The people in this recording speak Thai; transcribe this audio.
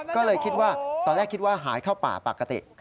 ก็เลยคิดว่าตอนแรกคิดว่าหายเข้าป่าปกติ